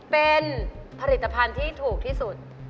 เป็นผลิตภัณฑ์ที่ถูกที่สุด